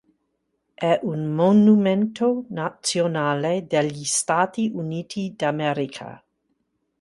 È un monumento nazionale degli Stati Uniti d'America.